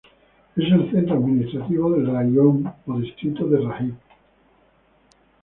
Es el centro administrativo del raion o distrito de Rajiv.